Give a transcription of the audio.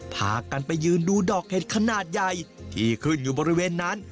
พากันไปยืนดูดอกเห็ดขนาดใหญ่ที่ขึ้นอยู่บริเวณนั้น